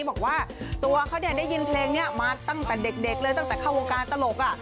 บอกว่าตัวเขาได้ยินเพลงนี้มาตั้งแต่เด็กเลยตั้งแต่เข้าวงการตลก